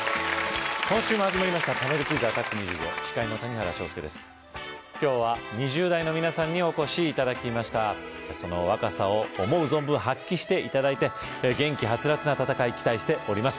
今週も始まりましたパネルクイズアタ司会の谷原章介です今日は２０代の皆さんにお越し頂きましたその若さを思う存分発揮して頂いて元気はつらつな戦い期待しております